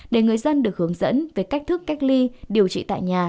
để người dân được hướng dẫn về cách thức cách ly điều trị tại nhà